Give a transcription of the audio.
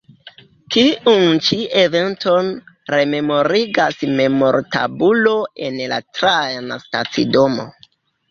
Tiun ĉi eventon rememorigas memortabulo en la trajna stacidomo.